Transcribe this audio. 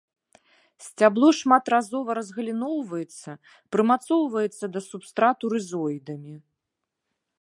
Сцябло шматразова разгаліноўваецца, прымацоўваецца да субстрату рызоідамі.